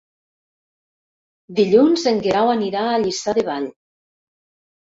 Dilluns en Guerau anirà a Lliçà de Vall.